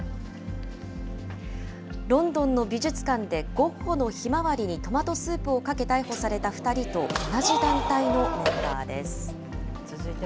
ロンドンの美術館でゴッホのひまわりにトマトスープをかけ逮捕された２人と同じ団体のメンバーです。